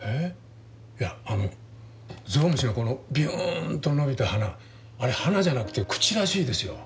いやあのゾウムシのこのビューンと伸びた鼻あれ鼻じゃなくて口らしいですよ。